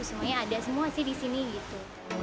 semuanya ada semua sih di sini gitu